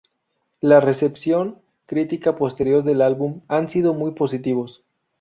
La recepción crítica posterior del álbum han sido muy positivos.